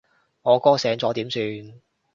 我哥醒咗點算？